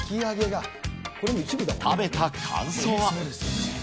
食べた感想は。